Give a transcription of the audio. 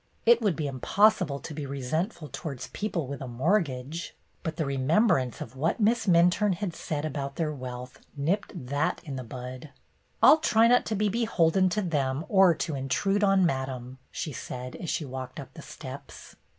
It would be impossible to be resent ful towards people with a mortgage ! But the remembrance of what Miss Minturne had said about their wealth nipped that in the bud. "I'll try not to be 'beholden' to them or to intrude on Madame," she said, as she walked up the steps.